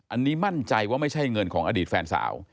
อันนี้มั่นใจว่าไม่ใช่เงินของอดีตแฟนสาว